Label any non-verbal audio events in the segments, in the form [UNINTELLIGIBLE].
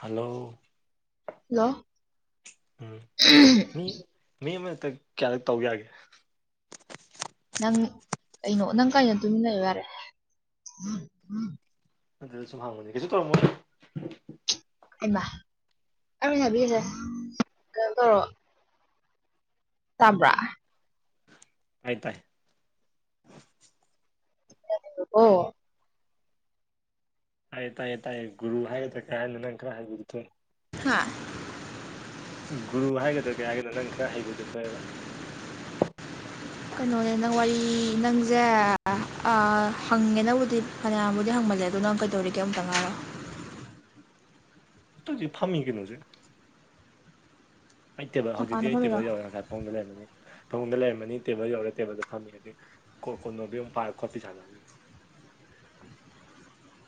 hello hello ꯎꯝ ꯃꯤ ꯃꯤ ꯑꯃꯅ ꯀꯌꯥꯔꯛ ꯇꯧ ꯌꯥꯒꯦ ꯅꯪ ꯀꯩꯅꯣ ꯅꯪ ꯀꯥꯗꯥ ꯇꯨꯃꯤꯟꯅꯔꯣ ꯌꯥꯔꯦ ꯑꯗꯨꯗ ꯁꯨꯝ ꯍꯥꯡꯕꯅꯦ ꯀꯩꯁꯨ ꯇꯧꯔꯝꯃꯣ ꯏꯃ ꯑꯃꯤꯅꯕꯤꯁꯦ ꯀꯣ [INAUDIBLE] ꯇꯥꯕ꯭ꯔꯥ ꯇꯥꯏ ꯇꯥꯏ ꯑꯣ ꯇꯥꯏꯌꯦ ꯇꯥꯏꯌꯦ ꯇꯥꯏꯌꯦ ꯒꯨꯔꯨ ꯍꯥꯏꯒꯗ꯭ꯔ ꯀꯩ ꯍꯥꯏꯅꯤ ꯅꯪ ꯈꯔ ꯍꯩꯕꯗꯨ ꯊꯣꯛꯑꯦ ꯍꯥꯥ ꯒꯨꯔꯨ ꯍꯥꯏꯒꯗ꯭ꯔꯥ ꯀꯩ ꯍꯥꯏꯒꯅꯣ ꯅꯪ ꯈꯔ ꯍꯩꯕꯗꯨ ꯊꯣꯛꯑꯦꯕ ꯀꯩꯅꯣꯅꯦ ꯅꯪ ꯋꯥꯔꯤ ꯅꯪꯁꯦ ꯍꯪꯉꯦ ꯅꯪꯕꯨꯗꯤ ꯐꯅꯌꯥꯝꯕꯨꯗꯤ ꯍꯪꯃꯜꯂꯦ ꯑꯗꯣ ꯅꯪ ꯀꯩꯗꯧꯔꯤꯒꯦ ꯑꯝꯇ ꯉꯥꯏꯌꯣ ꯇꯨꯁꯦ ꯐꯝꯃꯤ ꯀꯩꯅꯣ ꯍꯧꯖꯤꯛ ꯑꯩ ꯇꯦꯕꯜ ꯍꯧꯖꯤꯛꯇꯤ ꯃꯄꯥꯟꯗ ꯑꯩ ꯇꯦꯕꯜ ꯐꯝꯃꯤꯔꯣ ꯌꯧꯔꯦ ꯉꯁꯥꯏ ꯐꯃꯨꯡꯗ ꯂꯩꯔꯝꯕꯅꯤ ꯐꯃꯨꯡꯗ ꯂꯩꯔꯝꯃꯅꯤ ꯇꯦꯕꯜ ꯌꯧꯔꯦ ꯇꯦꯕꯜꯗ ꯐꯝꯃꯤ ꯑꯗꯩ ꯀꯣ ꯀꯣ ꯅꯣꯕꯤ ꯑꯃꯨꯛ ꯄꯥꯔꯒ ꯈꯣꯠꯄꯤ ꯁꯥꯟꯅꯔꯤ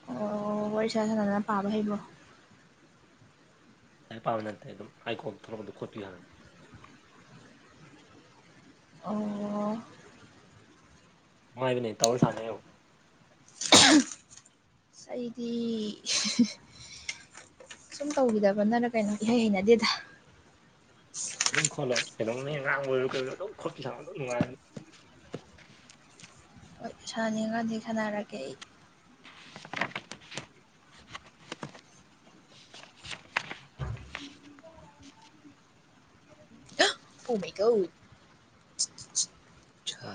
ꯑꯣ ꯋꯥꯔꯤꯁꯥ ꯁꯥꯗꯅ ꯄꯥꯕ ꯍꯩꯕꯔꯣ ꯂꯥꯢꯔꯤꯛ ꯄꯥꯕ ꯅꯠꯇꯦ ꯑꯗꯨꯝ ꯀꯣꯛꯇ ꯊꯣꯛꯂꯥꯛꯄꯗꯣ ꯈꯣꯠꯄꯤ ꯁꯥꯟꯅꯕꯅꯦ ꯑꯣ ꯅꯨꯡꯉꯥꯢꯕꯅꯦ ꯇꯧꯔ ꯁꯥꯟꯅꯔꯒ ꯌꯦꯡꯉꯣ ꯑꯩꯩꯗꯤ ꯁꯨꯝ ꯇꯧꯈꯤꯗꯕꯩꯔ ꯀꯩꯅꯣ ꯢꯍꯩ ꯍꯩꯅꯗꯦꯗ ꯑꯗꯨꯝ ꯈꯣꯠꯂꯣ ꯀꯩꯅꯣꯝ ꯑꯗꯨꯝ ꯉꯥꯡꯕ ꯑꯣꯏꯔꯣ ꯀꯩ ꯑꯣꯏꯔꯣ ꯑꯗꯨꯝ ꯈꯣꯠꯄꯤ ꯁꯥꯟꯅꯕ ꯑꯗꯨꯝ ꯅꯨꯡꯉꯥꯏꯕꯅꯦ ꯁꯥꯟꯅꯥꯅꯤꯡꯉꯥꯗꯤ ꯁꯥꯟꯅꯔꯒꯦ ꯑꯩ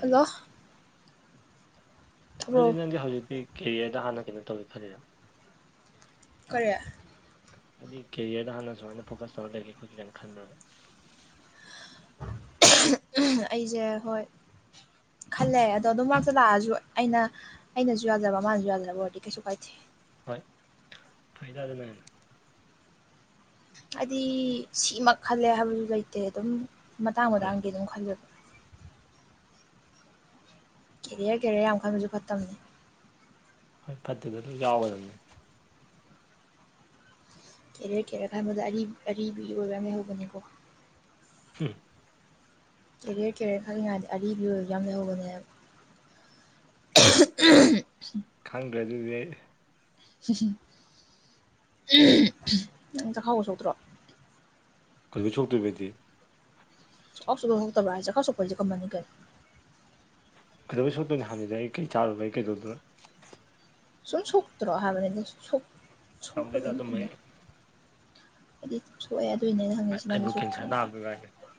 ꯍꯜꯂꯣ ꯑꯗꯨꯗꯤ ꯇꯥꯕ꯭ꯔꯣ ꯅꯪꯒꯤ ꯍꯧꯖꯤꯛꯇꯤ ꯀꯦꯔꯤꯌꯔꯗ ꯍꯥꯟꯅ ꯀꯩꯅꯣ ꯇꯧꯒꯦ ꯈꯜꯂꯤꯅꯣ ꯀꯔꯤ ꯍꯥꯏꯗꯤ ꯀꯦꯔꯤꯌꯔꯗ ꯍꯥꯟꯅ ꯁꯨꯃꯥꯏꯅ ꯐꯣꯀꯁ ꯇꯧꯔ ꯂꯩꯒꯦ ꯈꯣꯠꯀ‌ꯦ ꯀꯥꯏꯅ ꯈꯟꯕ꯭ꯔꯕ ꯑꯩꯁꯦ ꯍꯣꯏ ꯈꯜꯂꯦ ꯑꯗꯣ ꯑꯗꯨꯝ ꯃꯥꯔꯛꯇ ꯂꯥꯛꯑꯁꯨ ꯑꯩꯅ ꯑꯩꯅꯁꯨ ꯌꯥꯗꯕ ꯃꯥꯅꯁꯨ ꯌꯥꯗ꯭ꯔꯕ ꯑꯣꯏꯔꯗꯤ ꯀꯩꯁꯨ ꯀꯥꯏꯗꯦ ꯍꯣꯏ ꯐꯩꯗ ꯑꯗꯨꯅ ꯍꯥꯏꯗꯤ ꯁꯤꯃꯛ ꯈꯜꯂꯦ ꯍꯥꯏꯕꯁꯨ ꯂꯩꯇꯦ ꯑꯗꯨꯝ ꯃꯇꯥꯡ ꯍꯣꯏ ꯃꯇꯥꯡꯒ‌ꯤ ꯑꯗꯨꯝ ꯈꯜ ꯀꯦꯔꯤꯌꯔ ꯀꯦꯔꯤꯌꯔ ꯌꯥꯝ ꯈꯟꯕꯁꯨ ꯐꯠꯇꯕꯅꯦ ꯍꯣꯏ ꯐꯠꯇ‌ꯦꯕ ꯑꯗꯨꯝ ꯌꯥꯎꯒꯗꯕꯅꯤ ꯀꯦꯔꯤꯌꯔ ꯀꯦꯔꯤꯌꯔ ꯈꯟꯕꯗ ꯑꯔꯤ ꯑꯔꯤꯕꯤ ꯑꯣꯏꯕ ꯌꯥꯝ ꯂꯩꯍꯧꯕꯅꯤꯀꯣ [UNINTELLIGIBLE] ꯀꯦꯔꯤꯌꯔ ꯀꯦꯔꯤꯌꯔ ꯈꯟꯂꯤꯉꯥꯏꯗꯤ ꯑꯔꯤꯕꯤ ꯑꯣꯏꯕ ꯌꯥꯝ ꯂꯩꯍꯧꯕꯅꯦꯕ ꯈꯪꯗ꯭ꯔꯦ ꯑꯗꯨꯗꯤ ꯑꯩ ꯅꯪ ꯆꯈꯥꯎꯒ ꯁꯣꯛꯇ꯭ꯔꯣ ꯀꯩꯗꯧ ꯁꯣꯛꯇꯣꯏꯕ ꯑꯧꯗꯤ ꯆꯈꯥꯎ ꯁꯨꯡꯁ‌ꯣꯛ ꯁꯣꯛꯇꯕꯔ‌ꯣ ꯍꯥꯏꯁꯦ ꯆꯈꯥꯎ ꯁ‌ꯣꯛꯄ ꯍꯥꯏꯁ‌ꯦ ꯀꯃꯟꯅꯤ ꯀꯩꯅ‌ꯣ ꯀꯩꯗꯧꯕꯩ ꯁꯣꯛꯇꯣꯏꯅ‌ꯣ ꯍꯥꯏꯕꯅꯤꯗ ꯑꯩ ꯀꯩꯝ ꯆꯥꯔꯨꯕ ꯂꯩ ꯀꯩꯗꯧꯗꯣꯏꯅ‌ꯣ ꯁ‌ꯣꯏ ꯁ‌ꯣꯛꯇꯔꯣ ꯍꯥꯟꯅꯗꯩꯁꯨ ꯁ‌ꯣꯛ ꯇꯧꯗ‌ꯦꯗ ꯑꯗꯨꯝꯕꯩ ꯑꯩꯗꯤ ꯁꯣꯛꯑꯦ ꯑꯗꯨꯏꯅꯦ ꯑꯩ ꯍꯪꯉꯛꯏꯁ‌ꯦ ꯑꯩꯕꯨ ꯅꯪꯗꯤ‌ ꯀꯦꯟꯁꯔ ꯅꯥꯕꯗꯣ ꯉꯥꯏꯔꯦ ꯁ‌ꯣꯛꯇꯔ‌ꯅ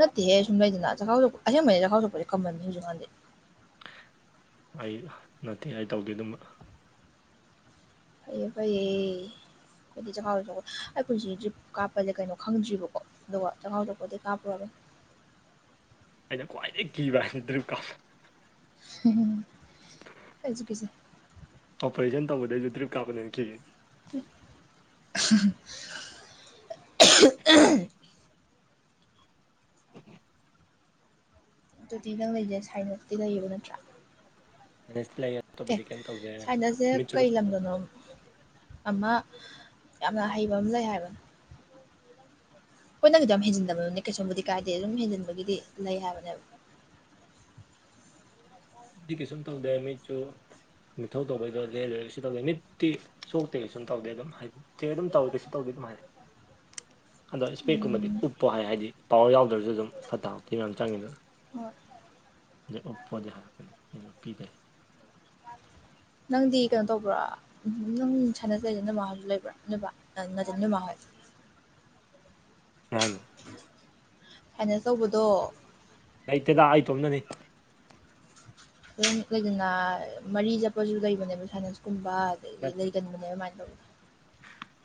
ꯅꯠꯇꯦꯍꯦ ꯁꯨꯝ ꯂꯩꯗꯅ ꯆꯥꯈꯥꯎꯁ‌ꯣꯛꯄ ꯑꯁꯦꯡꯕꯩꯅ‌ꯦ ꯆꯈꯥꯎꯁ‌ꯣꯛꯄꯁꯦ ꯀꯃꯟꯅ‌ꯦ ꯍꯧꯖꯤꯛ ꯀꯟꯗꯤ ꯑꯩ ꯅꯠꯇꯦ ꯑꯩ ꯇꯧꯗꯦ ꯑꯗꯨꯝꯕ ꯐꯩꯌꯦ ꯐꯩꯌꯦ ꯑꯩꯗꯤ ꯆꯈꯥꯎꯁꯨ ꯁ‌ꯣꯛꯄꯩ ꯑꯩ ꯄꯨꯟꯁꯤꯁ‌ꯦ ꯗ꯭ꯔꯤꯞ ꯀꯥꯞꯄꯁꯦ ꯀꯩꯅꯣ ꯈꯪꯗ꯭ꯔꯤꯕꯀꯣ ꯗꯧꯕ ꯆꯈꯥꯎ ꯁ‌ꯣꯛꯄꯗꯩ ꯀꯥꯞꯄꯨꯔꯕ ꯑꯩꯅ ꯈ꯭ꯋꯥꯏꯗꯒꯤ ꯀꯤꯕ ꯗ꯭ꯔꯤꯞ ꯀꯥꯞꯄ [UNINTELLIGIBLE] ꯑꯣꯄꯔꯦꯁꯟ ꯇꯧꯕꯗꯩꯁꯨ ꯗ꯭ꯔꯤꯞ ꯀꯥꯞꯄꯅ ꯍ‌ꯦꯟꯅ ꯀꯤ [UNINTELLIGIBLE] ꯑꯗꯨꯗꯤ ꯅꯪ ꯂꯩꯖꯦ ꯁꯥꯏꯅꯁꯇꯤ ꯂꯩꯌꯦꯕ ꯅꯠꯇ꯭ꯔꯥ ꯁꯥꯏꯅꯁꯇꯤ ꯂꯩꯌ‌ꯦ ꯑꯦ ꯁꯥꯏꯅꯁ ꯁꯦ ꯀꯩ ꯂꯝꯗꯅꯣ ꯑꯃ ꯌꯥꯝꯅ ꯍꯩꯕ ꯑꯃ ꯂꯩ ꯍꯥꯏꯕꯅꯤ ꯍ‌ꯣꯏ ꯅꯪꯒꯤꯗ‌ꯣ ꯌꯥꯝ ꯍꯦꯟꯖꯤꯟꯗꯕ ꯑ‌ꯣꯏꯗꯤ ꯀꯩꯁꯨꯝꯕꯨꯗꯤ ꯀꯥꯏꯗꯦ ꯑꯗꯨꯝ ꯍꯦꯟꯖꯤꯟꯕꯒꯤꯗꯤ ꯂꯩ ꯍꯥꯏꯕꯅꯦꯕ ꯑꯩꯗꯤ ꯀꯩꯁꯨꯝ ꯇꯧꯗꯦ ꯃꯤꯠꯁꯨ ꯃꯤꯊꯧ ꯇꯧꯕꯩꯗ‌ꯣ ꯂ‌ꯦꯟꯂꯨꯔ‌ꯦ ꯀꯩꯁꯨꯝ ꯇꯧꯗꯦ ꯃꯤꯠꯇꯤ ꯁꯣꯛꯇꯦ ꯀꯩꯁꯨꯨꯝ ꯇꯧꯗꯦ ꯑꯗꯨꯝ ꯍꯥꯏꯗꯤ ꯆꯦꯛ ꯑꯗꯨꯝ ꯇꯧꯋ‌ꯦ ꯀꯩꯁꯨꯝ ꯇꯧꯗꯦ ꯑꯗꯨꯝ ꯍꯥꯏ ꯑꯗꯣ ꯏꯁꯄꯔ‌ꯦꯛ ꯀꯨꯝꯕꯗꯤ ꯎꯝ ꯎꯞꯄꯣ ꯍꯥꯏ ꯍꯥꯏꯗꯤ ꯄꯋꯥꯔ ꯌꯥꯎꯗ꯭ꯔꯁꯨ ꯑꯗꯨꯝ ꯐꯠꯇ ꯍꯥꯎꯊꯤ ꯃꯌꯥꯝ ꯆꯪꯉꯤꯗꯅ ꯍ‌ꯣꯏ ꯑꯗ‌ꯣ ꯎꯞꯄꯣꯗꯤ ꯍꯥꯏꯔꯛꯄꯅꯤ ꯑꯩꯅ ꯎꯞꯄꯤꯗꯕ ꯅꯪꯗꯤ ꯀꯩꯅꯣ ꯇꯧꯕꯔ‌ꯣ ꯅꯪ ꯁꯥꯏꯅꯁ ꯂꯤꯗ‌ꯣ ꯅ‌ꯣꯏꯃꯥ ꯍ‌ꯣꯏꯁꯨ ꯂꯩꯕ꯭ꯔ‌ꯣ ꯅ‌ꯣꯏꯕꯥ ꯑꯥ ꯅꯠꯇ‌ꯦ ꯅ‌ꯣꯏꯃꯥꯍꯣꯏ ꯀꯩ ꯍꯥꯏꯅ‌ꯣ ꯁꯥꯏꯅꯁ ꯇꯧꯕꯗꯣ ꯂꯩꯇꯦꯗ ꯑꯩ ꯏꯇꯣꯝꯇꯅꯤ ꯑꯗꯨꯝ ꯂꯩꯗꯅ ꯃꯔꯤ ꯆꯠꯄꯁꯨ ꯂꯩꯕꯅꯦꯕ ꯁꯥꯏꯅꯁ ꯀꯨꯝꯕ ꯑꯗꯒꯤ ꯅꯠꯇꯦ ꯂꯩꯒꯟꯕꯅꯦꯕ ꯑꯗꯨꯃꯥꯏꯅ ꯇꯧꯕ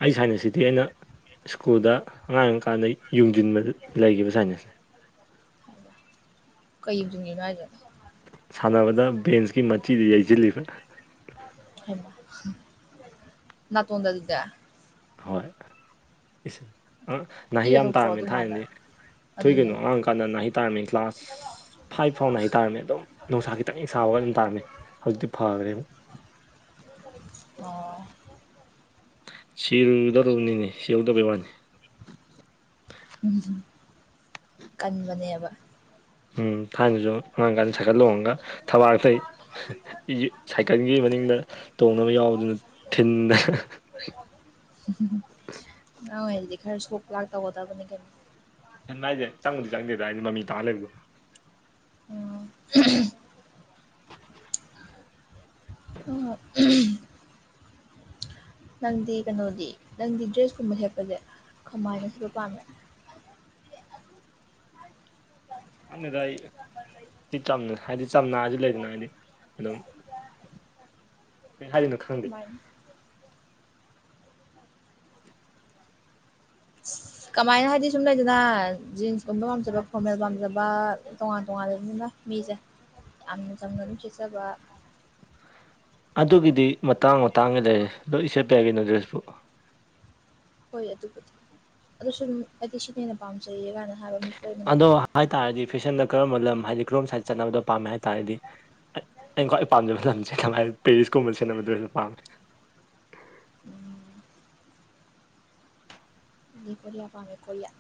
ꯑꯩ ꯁꯥꯏꯅꯁꯁꯤꯗꯤ ꯑꯩꯅ ꯁ꯭ꯀꯨꯜꯗ ꯑꯉꯥꯡ ꯑꯣꯏꯔꯤꯀꯥꯟꯗ ꯌꯨꯡꯁꯤꯟꯕꯗ ꯂꯩꯈꯤꯕ ꯁꯥꯏꯅꯁꯅꯦ ꯍꯥꯏꯕ ꯀꯩ ꯌꯨꯡꯖꯤꯟꯈꯤꯕ‌ꯅ‌ꯣ ꯍꯥꯏꯖꯦ ꯁꯥꯟꯅꯕꯗ ꯕꯦꯟꯁꯀꯤ ꯃꯆꯤꯗ ꯌꯩꯁꯤꯜꯂꯤꯕ ꯍꯩꯃꯥ ꯅꯇ‌ꯣꯟꯗ ꯑꯗꯨꯗꯤ ꯍꯣꯏ ꯏꯁ ꯑꯥ ꯅꯥꯍꯤ ꯏꯒ ꯌꯥꯝ ꯊꯣꯛꯇ꯭ꯔꯣ ꯇꯥꯔꯝꯃ‌ꯦ ꯑꯗꯨꯝꯀꯥꯟꯗ ꯊꯥꯏꯅꯗꯤ ꯊꯣꯛꯏ ꯑꯗꯨꯅꯦ ꯀꯩꯅꯣ ꯑꯉꯥꯡ ꯑꯣꯏꯀꯥꯟꯗ ꯅꯥꯍꯤ ꯇꯥꯔꯝꯃ‌ꯦ ꯀ꯭ꯂꯥꯁ ꯐꯥꯏꯚ ꯐꯥꯎ ꯅꯥꯍꯤ ꯇꯥꯥꯔꯝꯃꯦ ꯑꯗꯨꯝ ꯅꯨꯡꯁꯥ ꯈꯤꯇꯪ ꯍ‌ꯦꯛ ꯁꯥꯕꯒ ꯑꯗꯨꯝ ꯇꯥꯔꯝꯃꯦ ꯍꯧꯖꯤꯛꯇꯤ ꯐꯈ꯭ꯔꯦ ꯑꯣ ꯁꯤꯔꯝꯒꯗꯧꯔꯕꯅꯤꯅꯦ ꯁꯤꯍꯧꯗꯕꯩ ꯋꯥꯅꯤ ꯎꯝ ꯀꯟꯕꯅꯦꯕ ꯎꯝ ꯊꯥꯏꯅꯁꯨ ꯑꯉꯥꯡ ꯀꯥꯟꯗ ꯁꯥꯏꯀꯜ ꯂ‌ꯣꯡꯉꯒ ꯊꯕꯥꯛꯇꯩ ꯏ ꯁꯥꯏꯀꯜꯒꯤ ꯃꯅꯤꯡꯗ ꯇꯣꯡꯅꯕ ꯌꯥꯎꯕꯗꯨꯅ ꯊꯤꯟꯗ [UNINTELLIGIBLE] ꯑꯉꯥꯡ ꯑꯣꯏꯔꯤꯗꯗꯤ ꯈꯔ ꯁꯣꯛ ꯂꯥꯛ ꯇꯧꯒꯗꯅ‌ꯦ ꯀꯩꯅ‌ꯣ ꯍꯦꯟ ꯍꯥꯏꯁꯦ ꯆꯪꯉꯗꯤ ꯆꯪꯗꯦꯗ ꯍꯥꯏꯗꯤ ꯃꯃꯤ ꯇꯥꯜ ꯂꯩꯕꯗꯣ ꯑꯣ ꯑꯣ ꯅꯪꯗꯤ ꯀꯩꯅꯣꯗꯤ ꯅꯪꯗꯤ ꯗ꯭ꯔꯦꯁꯀꯨꯝꯕ ꯁꯦꯠꯄꯁꯦ ꯈꯃꯥꯏꯅꯁꯨꯔꯨ ꯄꯃꯦ ꯍꯥꯟꯅꯗ ꯑꯩ ꯁꯤ ꯆꯝ ꯍꯥꯏꯗꯤ ꯆꯝꯅ ꯍꯥꯏꯁꯨ ꯂꯩꯗꯅ ꯍꯥꯏꯗꯤ ꯍꯜꯂꯣ ꯀꯩ ꯍꯥꯏꯡꯅ ꯥꯏ [INAUDIBLE] ꯀꯃꯥꯏꯅ ꯍꯥꯏꯗꯤ ꯁꯨꯝ ꯂꯩꯗꯅ ꯖꯤꯟꯁꯀꯨꯝꯕ ꯄꯥꯝꯖꯕ ꯐꯣꯔꯃꯦꯜ ꯄꯥꯝꯖꯕ ꯇꯣꯉꯥꯟ ꯇꯣꯉꯥꯟ ꯂꯩꯕꯅꯤꯅ ꯃꯤꯖ‌ꯦ ꯌꯥꯝꯅ ꯆꯝꯅ ꯑꯗꯨꯝ ꯁ‌ꯦꯠꯆꯕ ꯑꯗꯨꯒꯤꯗꯤ ꯃꯇꯥꯡ ꯃꯇꯥꯡꯒꯤ ꯂꯩꯔꯦ ꯂꯣꯏ ꯁꯦꯠꯄ ꯌꯥꯏ ꯀꯩꯅꯣ ꯗ꯭ꯔꯦꯁꯄꯨ ꯍꯣꯏ ꯑꯗꯨꯕꯨꯗꯤ ꯑꯗꯨꯁꯨ ꯑꯗꯨꯝ ꯑꯩꯗꯤ ꯁꯤꯅ ꯍꯦꯟꯅ ꯄꯥꯝꯖꯩꯌꯦ ꯀꯥꯏꯅ ꯍꯥꯏꯕ ꯃꯤꯁꯨ ꯑꯗꯣ ꯂꯩꯕꯅꯦꯕ ꯍꯥꯏ ꯇꯥꯔꯗꯤ ꯐꯦꯁꯟꯗ ꯀꯔꯝꯕ ꯂꯝ ꯍꯥꯏꯗꯤ ꯀꯔꯣꯝ ꯁꯥꯏꯗ ꯆꯠꯅꯕꯗꯣ ꯄꯥꯝꯃꯦ ꯍꯥꯏ ꯇꯥꯔꯗꯤ ꯑ ꯑꯩꯅ ꯈ꯭ꯋꯥꯏ ꯄꯥꯝꯖꯕ ꯂꯝꯁꯦ ꯀꯃꯥꯏꯅ ꯄꯦꯔꯤꯁꯀꯨꯝꯕ ꯁ‌ꯦꯠꯅꯕ ꯗ‍꯭ꯔ‌ꯦꯁꯇꯨ ꯄꯥꯝꯃꯦ ꯎꯝ ꯑꯗꯤ ꯀ‌ꯣꯔꯤꯌꯥ ꯄꯥꯝꯃꯦ ꯀ‌ꯣꯔꯤꯌꯥ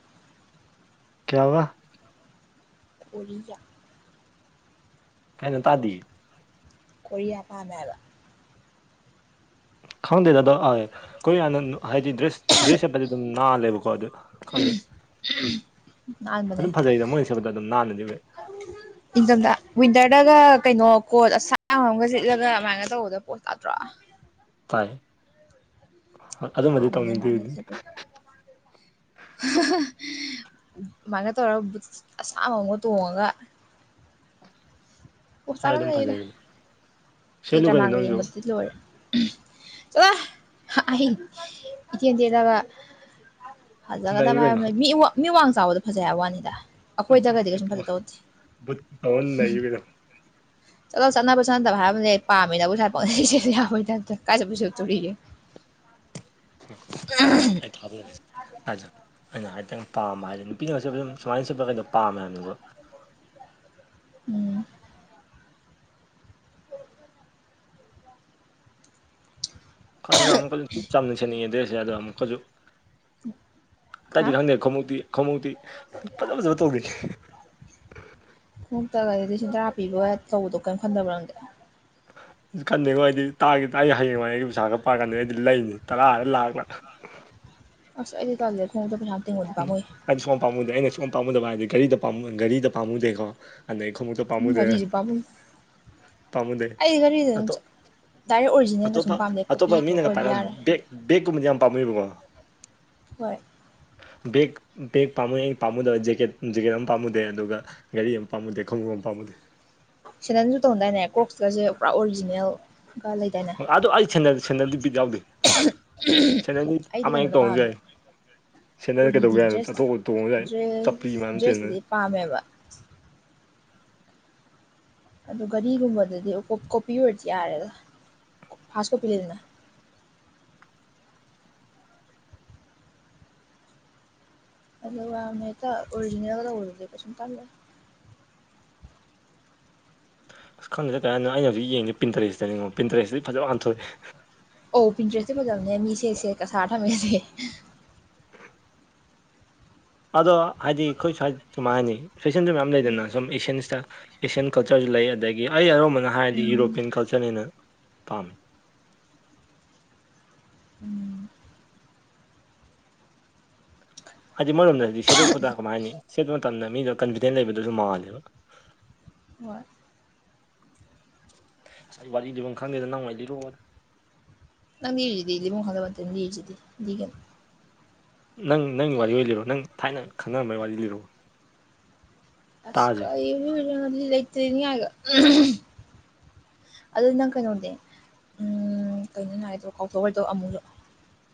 ꯀꯌꯥꯕ ꯀ‌ꯣꯔꯤꯌꯥ ꯀꯩꯅ‌ꯣ ꯇꯥꯗꯤꯏ ꯀ‌ꯣꯔꯤꯌꯥ ꯄꯝꯃ‌ꯦ ꯍꯥꯏꯕ ꯈꯪꯗꯦꯗ ꯑꯗ‌ꯣ ꯑꯥꯏ ꯈ‌ꯣꯏ ꯍꯥꯟꯅ ꯑ ꯍꯥꯏꯗꯤ ꯗ꯭ꯔꯦꯁ ꯗ꯭ꯔꯦꯁ ꯁ‌ꯦꯠꯄꯗꯤ ꯑꯗꯨꯝ ꯅꯥꯜꯂꯦꯕꯀꯣ ꯑꯗꯨ ꯈꯪꯗꯦ ꯅꯥꯟꯕꯅꯦ ꯑꯗꯨꯝ ꯐꯖꯩꯗ ꯃꯣꯏꯅ ꯁꯦꯠꯄꯗ ꯑꯗꯨꯝ ꯅꯥꯟꯅꯗꯤ ꯎꯏ ꯏꯪꯊꯝꯗ ꯋꯤꯟꯇꯔꯗꯒ ꯀꯩꯅꯣ ꯀꯣꯠ ꯑꯁꯥꯡ ꯕ ꯑꯝꯒ ꯂꯤꯠꯂꯒ ꯑꯗꯨꯃꯥꯏꯅ ꯇꯧꯕꯗꯣ ꯄꯣꯁ ꯇꯥꯗ꯭ꯔꯣ ꯇꯥꯏ ꯑꯗꯨꯃꯗꯤ ꯇꯧꯅꯤꯡꯗ꯭ꯔꯤ [UNINTELLIGIBLE] ꯑꯃꯥꯏꯅ ꯇꯧꯔꯒ ꯕꯨꯠꯁ ꯑꯁꯥꯡꯕ ꯑꯝꯒ ꯇꯣꯡꯉꯒ ꯍꯣꯏ ꯑꯣꯝꯆꯥꯛ ꯑꯗꯨꯝ ꯂꯩꯗ ꯐꯖꯩ ꯁꯦꯠꯂꯨ ꯀꯩꯅꯣ ꯀꯦꯗ꯭ꯔꯃꯥꯒ ꯅꯪꯁꯨ ꯌꯦꯡꯕꯁꯤꯗꯤ ꯂꯣꯏꯔꯦ ꯆꯠꯂ‌ꯣꯍ ꯑꯩ ꯏꯇ‌ꯦꯟ ꯇ‌ꯦꯜꯂꯒ ꯅꯩꯌꯨ ꯐꯖꯒꯗꯕ ꯍꯥꯏꯕ ꯀꯩꯅꯣ ꯑꯝ ꯂꯩ ꯃꯤ ꯃꯤ ꯋꯥꯡ ꯆꯥꯎꯕꯗꯣ ꯐꯖꯩ ꯍꯥꯏ ꯋꯥꯅꯤꯗ ꯑꯩꯈꯣꯏꯗꯒꯗꯤ ꯕꯨꯠꯀ ꯀꯩꯁꯨꯝ ꯇꯣꯡꯉ ꯐꯖꯇꯧ ꯇ‌ꯦ ꯕꯨꯠꯀ ꯇꯣꯡꯉ ꯅꯩꯌꯨ ꯀꯩꯅꯣ ꯆꯠꯂꯣ ꯆꯠꯅꯕ ꯆꯠꯅꯗꯕ ꯍꯥꯏꯕ ꯑꯝ ꯂꯩ ꯄꯝꯃꯤꯗꯕꯨ ꯁꯥꯄ‌ꯣꯟ [UNINTELLIGIBLE] ꯁ‌ꯦꯠ ꯌꯥꯕꯩ ꯇꯥꯏꯞꯇ ꯀꯥꯏ ꯆꯠꯄꯗꯕꯨ ꯁ‌ꯦꯠꯇꯨꯔꯤꯒ‌‌ꯦ ꯑꯩ [UNINTELLIGIBLE] ꯊꯗ‌ꯣꯛꯏ ꯍꯥꯏꯖ ꯑꯩꯅ ꯍꯥꯏꯐꯇꯪ ꯄꯥꯝꯕ ꯍꯥꯏꯗꯤ ꯅꯨꯄꯤꯅꯒ ꯁ‌ꯦꯠꯄ ꯁꯨꯡ ꯁꯨꯃꯥꯏꯅ ꯁ‌ꯦꯠꯄ ꯗꯨꯝ ꯄꯥꯝꯃꯦ ꯍꯥꯏꯕꯅꯤꯀꯣ ꯎꯝ ꯈꯪꯉꯤꯅ ꯑꯃꯨꯛꯀꯁꯨ ꯁꯨꯝ ꯆꯝꯅ ꯁꯦꯠꯅꯤꯡꯑꯦ ꯗ꯭ꯔꯦꯁꯦ ꯑꯗꯣ ꯑꯃꯨꯛꯀꯁꯨ ꯍꯥ ꯑꯇꯩꯏꯗꯤ ꯈꯪꯗꯦ ꯈꯣꯡꯉꯣꯛꯇꯤ ꯈꯣꯡꯉꯣꯛꯇꯤ ꯐꯖ ꯐꯖꯕ ꯇꯧꯔꯤꯅꯦ ꯈꯛꯇꯒꯗꯤ ꯂꯤꯁꯤꯡ ꯇꯔꯥ ꯄꯤꯕꯒ ꯇꯧꯕꯗꯣ ꯀꯩꯅꯝꯟꯗꯕ꯭ꯔꯣꯪꯗꯦ ꯑꯗꯨ ꯀꯟꯗꯦꯉꯣ ꯑꯩꯗꯤ ꯇꯥꯛꯈꯤꯗ ꯑꯩ ꯍꯌꯦꯡꯉ ꯑꯩꯒꯤ ꯄꯩꯁꯥ ꯈꯔ ꯄꯥꯔ ꯀꯥꯟꯗ ꯑꯩꯗꯤ ꯂꯩꯅꯤ ꯇꯔꯥꯑꯔꯒ ꯂꯥꯛꯂꯥ ꯑꯁꯗꯤ ꯆꯦ ꯊ ꯎꯝ ꯍꯥꯏꯗꯤ ꯁꯨꯝ ꯄꯥꯝꯃꯨꯗꯦ ꯑꯩꯅ ꯁꯨꯝ ꯄꯥꯃꯨꯗꯕ ꯍꯥꯏꯗꯤ ꯔꯤꯗ ꯒꯥꯔꯤꯗ ꯄꯥꯝꯃꯨꯗꯦꯀꯣ ꯑꯈꯣꯃꯨꯛꯇ ꯎꯝ ꯄꯥꯃꯨꯗꯦ ꯘꯔꯤꯖꯨ ꯄꯥꯝꯃꯨꯏ ꯄꯥꯃꯨꯗꯦ ꯑꯣ ꯇꯔ ꯑꯣꯏ ꯑꯇꯣꯞꯄ ꯑꯇꯣꯞꯄ ꯃꯤꯅꯒ ꯄꯥꯏ ꯕꯦꯛ ꯕꯦꯒꯀꯨꯝꯕꯗꯤ ꯌꯥꯝ ꯄꯥꯝꯅꯕꯀꯣ ꯍꯣꯏ ꯕꯦ ꯕ‌ꯦꯛ ꯄꯥꯝꯃꯨꯏ ꯑꯩ ꯄꯥꯝꯃꯨꯗꯕ ꯖꯦꯀꯦꯠ ꯖꯦꯀꯦꯠ ꯑꯃ ꯄꯥꯝꯃꯨꯗꯦ ꯑꯗꯨꯒ ꯒꯥꯔꯤ ꯑꯃ ꯄꯥꯝꯃꯨꯗꯦ ꯈꯣꯡꯎꯞ ꯑꯃ ꯄꯥꯝꯃꯨꯗꯦ ꯁꯦꯗꯟꯁꯨ ꯇ‌ꯣꯡꯗꯥꯏꯅꯦ ꯀ꯭ꯔꯣꯛꯁ ꯀꯁꯦ ꯄꯨꯔꯥ ꯑꯣꯔꯤꯖꯤꯅꯦꯜꯒ ꯂꯩ ꯍꯣꯏ ꯑꯗ‌ꯣ ꯑꯩ ꯁꯦꯟꯗꯟ ꯁ‌ꯦꯟꯗꯟꯗꯤ ꯕꯤꯠ ꯌꯥꯎꯗꯦ ꯁꯦꯟꯗꯟꯗꯤ ꯑꯩꯗꯤ ꯑꯃ ꯍꯦꯛ ꯀꯩꯅꯣꯗꯣ ꯇ‌ꯣꯡꯉꯁꯨ ꯄꯥꯝꯃꯦ ꯌꯥꯏ ꯁꯦꯟꯗꯟ ꯎꯔꯤꯗꯤ ꯀꯩꯗꯧꯒꯦ ꯍꯥꯏꯅꯣ ꯗ꯭ꯔꯦꯁ ꯆꯠꯊꯣꯛꯄ ꯇꯣꯡꯉꯁꯨ ꯌꯥꯥꯏ ꯆꯄ꯭ꯔꯤ ꯗ꯭ꯔꯦꯁ ꯃꯥꯟꯕ ꯁ‌ꯦꯜꯗꯜ ꯗ꯭ꯔꯦꯁꯇꯨꯗꯤ ꯄꯥꯝꯃꯦꯕ ꯑꯗꯨ ꯒꯥꯔꯤꯒꯨꯝꯕꯗꯗꯤ ꯀ‌ꯣ ꯀꯣꯄꯤ ꯑꯣꯏꯔꯗꯤ ꯌꯥꯔꯦꯗ ꯐꯥꯔꯁ ꯀꯣꯄꯤ ꯂꯩꯗꯅ ꯑꯂꯨꯒꯥꯝ ꯍ‌ꯦꯛꯇ ꯑꯣꯔꯤꯖꯤꯅꯦꯜ ꯇꯧꯕꯗꯨꯗꯤ ꯀꯩꯁꯨꯝ ꯀꯜꯂ‌ꯦ ꯑ ꯈꯪꯗ‌ꯦꯗ ꯀꯩ ꯍꯥꯏꯅ‌ꯣ ꯑꯩ ꯍꯧꯖꯤꯛ ꯌꯦꯡꯉꯦ ꯄꯤꯟꯇꯔꯦꯁꯇꯅꯤꯉ‌ꯣ ꯄꯟꯇꯔꯦꯁꯤꯇꯗꯤ ꯐꯖ ꯉꯥꯛꯇ ꯊ‌ꯣꯛꯑꯦ ꯑꯣ ꯄꯤꯟꯇ꯭ꯔꯦꯁꯇꯤ ꯐꯖꯕꯅꯦ ꯃꯤꯁꯦ ꯁꯦꯠꯀ ꯁꯥꯔ ꯊꯝꯃꯦꯁꯤꯗꯤ ꯑꯗꯣ ꯍꯥꯏꯗꯤ ꯑꯩꯈꯣꯏ ꯁ꯭ꯋꯥꯏꯁꯨ ꯀꯃꯥꯏꯅꯤ ꯐꯦꯁꯟꯁꯨ ꯃꯌꯥꯝ ꯂꯩꯗꯅ ꯁꯨꯝ ꯑꯦꯁꯤꯌꯥꯟꯁꯇ ꯑꯦꯁꯤꯌꯥꯟ ꯀꯜꯆꯔꯁꯨ ꯂꯩ ꯑꯗꯒꯤ ꯑꯩ ꯑꯔꯕꯅ ꯍꯥꯏꯔꯗꯤ ꯎꯝ ꯌꯨꯔꯣꯄ꯭ꯌꯟ ꯀꯜꯆꯔꯅꯦꯅ ꯄꯥꯝꯃꯤ ꯎꯝ ꯍꯥꯏꯗꯤ ꯃꯔꯣꯏꯔꯣꯝꯗ ꯍꯥꯏꯗꯤ ꯁꯦꯠꯇꯣꯛꯄꯗ ꯀꯃꯥꯏꯅꯤ ꯁꯦꯠꯣꯛꯄ ꯃꯇꯝꯗ ꯃꯤꯗꯣ ꯀꯟꯐꯤꯗꯦꯟ ꯂꯩꯕꯗꯨꯁꯨ ꯃꯥꯜꯂꯦꯕ ꯍꯣꯏ ꯑꯩꯁ ꯋꯥꯔꯤꯗꯤꯝ ꯈꯪꯗꯦꯗ ꯅꯪꯉꯥꯏ ꯂꯤꯔꯣꯑꯣ ꯅꯪ ꯌꯦꯖꯗꯦ ꯏ ꯂꯤ ꯃꯣꯡ ꯍꯂꯕꯗꯅꯤꯖꯗꯦꯒ ꯅꯪ ꯅꯪꯒꯤ ꯋꯥꯔꯤ ꯑꯣꯏ ꯂꯤꯔꯣ ꯅꯪ ꯊꯥꯏꯅ ꯈꯪꯉꯝꯕꯒꯤ ꯋꯥꯔꯤ ꯂꯤꯔꯣ ꯑꯁ ꯀ ꯑꯩ ꯃ ꯃ ꯂꯩꯇꯅꯤ ꯍꯥꯏꯒ ꯑꯗꯨ ꯅꯪ ꯀꯩꯅꯣꯗꯤ ꯀꯩꯅꯣ ꯅ ꯍꯥꯏꯗꯣ ꯀꯥꯎꯊꯣꯛꯑꯗꯣ ꯑꯃꯨꯛꯂꯛꯑꯣ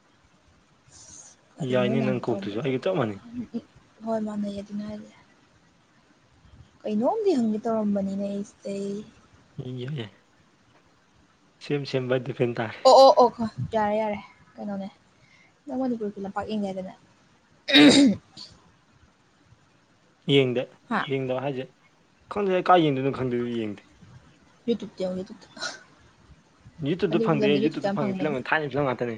[UNINTELLIGIBLE] ꯑꯗꯨ ꯅꯣꯏꯅꯪ ꯅꯪ ꯀꯣꯛꯇꯨꯁꯨ ꯑꯩꯒ ꯇꯧꯔꯝꯃꯦꯗꯕꯣ ꯆꯞ ꯃꯥꯟꯅꯩ ꯍꯣꯏ ꯃꯥꯟꯅꯩꯌꯦ ꯑꯗꯨ ꯍꯥꯏꯥꯏꯔꯦ ꯀꯩꯅꯣꯝꯗꯤ ꯍꯪꯒꯦ ꯇꯧꯔꯝꯕꯅꯤꯅꯦ ꯑꯩ ꯁꯤꯗꯩ ꯏ ꯌꯥ ꯌꯥꯏ ꯁꯦꯝ ꯁꯦꯝ ꯗꯤꯐꯦꯟ ꯇꯥ ꯑꯣ ꯑꯣ ꯑꯣ ꯈꯣꯏ ꯌꯥꯔꯦ ꯌꯥꯔꯦ ꯀꯩꯅꯣꯅꯦ ꯅꯉꯗꯤ ꯀꯄꯤꯂ ꯄ ꯌꯦꯉꯔꯅꯦ ꯌꯦꯡꯗꯦ ꯍꯥ ꯌꯦꯡꯗꯕ ꯍꯥꯏꯁꯦ ꯈꯪꯗꯦ ꯀꯥꯏ ꯌꯦꯡꯗꯣꯏꯅꯣ ꯈꯪꯗꯦꯗꯤ ꯌꯦꯡꯗꯦ ꯗꯨꯗꯗꯨ ꯌꯨꯇꯨꯞꯇ ꯐꯪꯗꯦ ꯌꯨꯇꯌꯨꯞꯇ ꯐꯪꯦꯤꯂꯝꯒ ꯊꯥꯏꯅ ꯐꯤꯂꯝ ꯉꯥꯛꯇꯅꯦ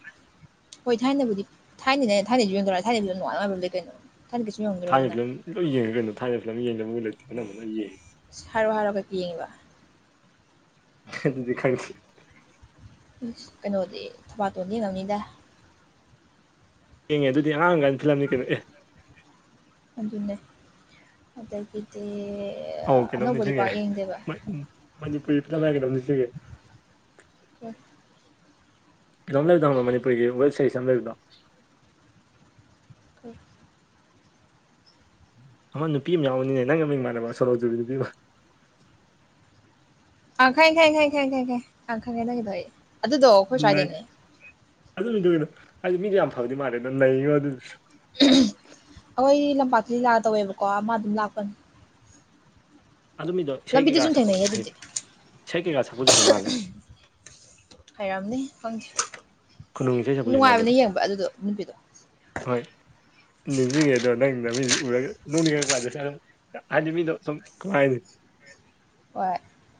ꯍꯣꯏ ꯊꯥꯏꯅꯕꯨꯗꯤ ꯊꯥꯏꯅꯅꯦ ꯊꯥꯏꯅꯁꯨ ꯌꯣꯟꯗꯧꯔ ꯊꯥꯏꯅꯕꯕꯨꯗꯅꯨꯡꯉꯉꯕ ꯂꯩ ꯀꯩꯅꯣ ꯊꯃ ꯊꯥꯏꯅ ꯐꯤꯂꯝ ꯂꯣꯏ ꯌꯦꯡꯉꯒ ꯀꯩꯅꯣ ꯊꯥꯏꯅ ꯐꯤꯂꯝ ꯌꯦꯡꯖꯕꯨ ꯂ ꯂꯩꯦ ꯀꯅꯝꯕ ꯂꯣꯏ ꯌꯦꯉꯦ ꯍꯔꯥꯎ ꯍꯥꯔꯒ ꯄꯤꯉꯤꯕ ꯑꯗꯨꯗꯤ ꯈꯪꯁꯤ ꯀꯩꯅꯣꯗꯤ ꯊꯕꯥꯇꯣꯟꯗꯤ ꯌꯦꯡ ꯉꯝꯅꯤꯗ ꯌꯦꯡꯉꯦ ꯑꯗꯨꯗꯤ ꯑꯉꯥꯡꯉꯀꯥꯟ ꯐꯤꯂꯝꯅꯤ ꯀꯩꯅꯣ ꯑꯦ ꯑꯗꯨꯟꯅꯅꯦ ꯑꯗꯒꯤ ꯇ ꯑꯣ ꯀꯩꯅꯣꯝ ꯅꯤꯡꯁꯤꯡꯉꯦ ꯃꯅꯤꯄꯨꯔꯤ ꯐꯤꯂꯝ ꯍꯥꯏ ꯀꯩꯅꯣꯝ ꯅꯤꯡꯁꯤꯡꯉꯦ ꯑꯣ ꯀꯣ ꯂꯩꯗꯣ ꯃꯅꯤꯄꯨꯔꯒꯤ ꯋꯦꯠ ꯁꯥꯏꯁ ꯑꯃ ꯂꯩꯕꯗꯣ ꯀ ꯑꯃ ꯅꯨꯄꯤ ꯑꯃ ꯌꯥꯎꯕꯅꯤꯅꯦ ꯅꯪꯒ ꯃꯤ ꯏꯃꯥꯟꯅꯕ ꯁꯣꯍꯧꯖꯨꯕꯗꯨꯕꯤꯕ ꯇꯈꯥꯏ ꯈꯥꯏ ꯈꯥꯏ ꯈꯥꯏ ꯈꯥꯏ ꯈꯥꯏ ꯇꯪꯈꯥꯏꯈꯩꯗꯒꯤꯗꯣ ꯑꯗꯨꯗꯣ ꯑꯩꯈꯣꯏ ꯁ꯭ꯋꯥꯏꯗꯩꯅꯦ ꯑꯗꯨꯅꯤꯗꯨꯒꯤꯩꯅꯣ ꯍꯥꯏꯗꯤ ꯃꯤꯗꯤ ꯌꯥꯝ ꯐꯕꯗꯤ ꯃꯥꯜꯂꯦ ꯅ ꯂꯩꯉꯣ ꯑꯗꯨꯁꯨ ꯑꯩꯈꯣꯏ ꯂꯝꯄꯥꯛꯇꯗꯤ ꯂꯥꯛ ꯇꯧꯋꯦꯕꯀꯣ ꯑꯃ ꯑꯗꯨꯝ ꯂꯥꯛꯄꯅꯤ ꯑꯗꯨꯒꯤꯗꯣ ꯏꯁꯩ ꯂꯝꯕꯤꯗꯁꯨ ꯀꯩꯀꯥ ꯑꯗꯨꯝ ꯁꯛꯄ ꯊꯦꯡꯅꯩꯌꯦ ꯂꯣꯏꯝ ꯍ ꯑꯗꯨꯗꯤ ꯏꯁꯩ ꯀꯩꯀꯥ ꯁꯛꯄꯁꯨ ꯍꯩ ꯃꯥꯜꯂꯦ ꯍꯥꯏꯔꯑꯝꯅꯦ ꯈꯪꯗꯦ ꯈꯨꯅꯨꯡ ꯏꯁꯩ ꯁꯛꯄꯁꯨ ꯍꯩ ꯅꯨꯡꯉꯥꯏꯕꯅꯦ ꯃꯥꯜꯂꯦꯕ ꯌꯦꯡꯕ ꯑꯗꯨꯗꯣ ꯅꯨꯄꯤꯗꯣ ꯍꯣꯏ ꯅꯤꯡꯁꯤꯡꯉꯦ ꯑꯗꯣ ꯅꯪ ꯅ ꯃꯤ ꯎꯔꯒ ꯅ ꯈ ꯄꯥꯏꯗ ꯑꯗꯃꯤꯗꯣ ꯁꯨꯝ ꯀꯥꯏꯗ ꯍꯣꯏ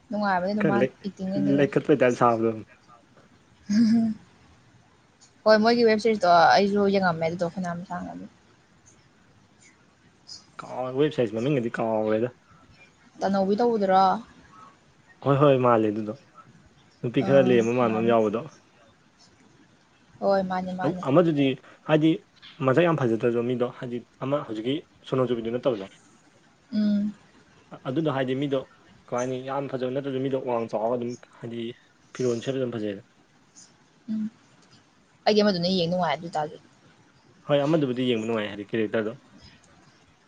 ꯅꯨꯡꯉꯥꯏꯕꯒꯤ ꯑꯗꯨ ꯃꯥ ꯑꯦꯇꯤꯡ ꯑꯗꯨꯗ [UNINTELLIGIBLE] ꯁꯥꯕꯗ ꯍꯣꯏ ꯃꯣꯏꯒꯤ ꯋꯦꯕ ꯁꯔꯤꯁꯇꯣ ꯑꯩꯁꯨ ꯌꯦꯡꯉꯝꯃꯦ ꯑꯗꯨꯗꯣ ꯐꯅꯌꯥꯝ ꯁꯥꯡꯕꯅꯤ ꯀꯥꯎ ꯋꯦꯕ ꯁꯔꯤꯁ ꯃꯃꯤꯡꯒꯗꯤ ꯀꯥꯎꯔꯦꯗ ꯇꯅꯧꯕꯤ ꯇꯧꯕꯗꯨꯔꯣ ꯍꯣꯏ ꯍꯣꯏ ꯃꯥꯜꯂꯦ ꯑꯗꯨꯗꯣ ꯅꯨꯄꯤ ꯈꯔ ꯎꯝ ꯂꯦꯝꯕ ꯃꯥꯟꯕ ꯑꯃ ꯃꯥꯅꯤ ꯌꯥꯎꯕꯗꯣ ꯍꯣꯏ ꯃꯥꯅꯦ ꯃꯥꯅꯦ ꯑꯃ ꯑꯗꯨꯗꯤ ꯍꯥꯏꯗꯤ ꯃꯁꯛ ꯌꯥꯝ ꯐꯖꯗ꯭ꯔꯁꯨ ꯃꯤꯗꯣ ꯍꯥꯏꯗꯤ ꯑꯃ ꯍꯧꯖꯤꯛꯀꯤ ꯁꯣꯅꯣꯖꯨꯕꯤꯗꯨ ꯅꯠꯇꯕꯗꯣ ꯎꯝ ꯑꯗꯨꯗꯣ ꯍꯥꯏꯗꯤ ꯃꯤꯗꯣ ꯀꯩꯥꯍꯥꯏꯅꯤ ꯌꯥꯝ ꯐꯖꯕ ꯅꯠꯇ꯭ꯔꯁꯨ ꯃꯤꯗꯣ ꯋꯥꯡ ꯆꯥꯎꯔꯒ ꯑꯗꯨꯝ ꯍꯥꯏꯗꯤ ꯐꯤꯔꯣꯜ ꯁꯦꯠꯕ ꯐꯖꯩꯕ ꯎꯝ ꯑꯩꯗꯤ ꯃꯗꯨꯅ ꯌꯦꯡ ꯅꯨꯡꯉꯥꯏ ꯑꯗꯨ ꯑꯣꯏꯇꯥꯔꯁꯨ ꯍꯣꯏ ꯑꯃꯗꯨꯕꯨꯗꯤ ꯌꯦꯡꯕ ꯅꯨꯡꯉꯥꯏ ꯍꯥꯏꯗꯤ ꯀꯦꯔꯦꯛꯇꯔꯗꯣ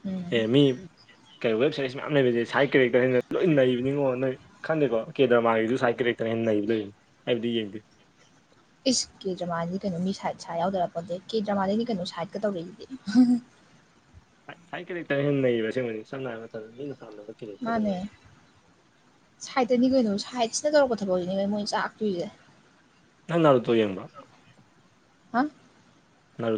ꯎꯝ ꯑꯦ ꯃꯤ ꯀꯩ ꯋꯦꯕ ꯁꯔꯤꯁ ꯃꯌꯥꯝ ꯂꯩꯕꯁꯦ ꯁꯥꯏꯠ ꯀꯦꯔꯦꯛꯇꯔ ꯍꯥꯏꯅ ꯂꯣꯏ ꯂꯩꯕꯅꯤꯉꯣ ꯅꯣꯏ ꯈꯟꯗꯦꯀꯣ ꯀꯦꯗꯔꯃꯥꯒꯤꯁꯨ ꯁꯥꯏꯠ ꯀꯦꯔꯦꯛꯇꯔꯅ ꯍꯦꯟꯅ ꯅꯩꯕ ꯂꯩꯕꯅꯤ ꯑꯩꯗ ꯌꯦꯡꯗꯦ ꯏꯁ ꯀꯦꯗ꯭ꯔꯃꯥꯂꯗꯤ ꯀꯩꯅꯣ ꯃꯤ ꯁꯥꯏꯠ ꯁꯥꯏꯠ ꯌꯥꯎꯗꯔꯌꯄꯣꯟꯇꯦ ꯀꯦꯗ꯭ꯔꯃꯥꯗꯗꯤ ꯀꯩꯅꯣ ꯁꯥꯏꯠꯅ ꯇꯧꯔꯛ ꯏꯁꯤꯗꯤ ꯍꯥꯏ ꯀꯦꯔꯦꯛꯇꯔ ꯍꯦꯟꯅ ꯅꯩꯕ ꯁꯦꯡꯕꯗꯤ ꯁꯝꯅ ꯍꯥꯏꯔꯕ ꯃꯇꯝꯗ ꯃꯤꯅ ꯄꯥꯝꯅꯕ ꯀꯦꯔꯦꯛꯇꯔꯗꯣ ꯃꯥꯅꯦ ꯑꯣꯏꯌꯦ ꯁꯥꯏꯠꯇꯅꯤ ꯀꯩꯅꯣ ꯁꯥꯏꯠꯁꯤꯅ ꯇꯧꯔꯛꯄ ꯊꯕꯛꯁꯤꯅꯦ ꯃꯣꯏ ꯆꯥꯛꯇꯣꯏꯁꯦ ꯅꯪ ꯅꯥꯔꯨꯇꯣ ꯌꯦꯡꯕꯔꯣ ꯍꯥ ꯅꯥꯔꯨ